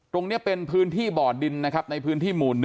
ตรงนี้เป็นพื้นที่บ่อดินนะครับในพื้นที่หมู่๑